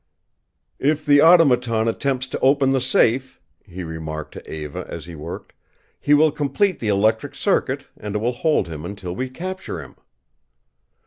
"If the Automaton attempts to open the safe," he remarked to Eva, as he worked, "he will complete the electric circuit and it will hold him until we capture him."